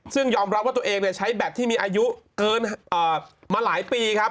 ซึ่งยอมรับว่าตัวเองใช้แบตที่มีอายุเกินมาหลายปีครับ